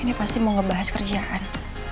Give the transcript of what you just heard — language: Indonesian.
ini pasti mau ngebahas kerjaan